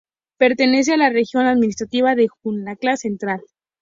Pertenece a la región administrativa de Jutlandia Central.